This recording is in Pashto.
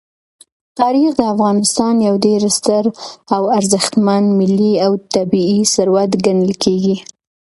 تاریخ د افغانستان یو ډېر ستر او ارزښتمن ملي او طبعي ثروت ګڼل کېږي.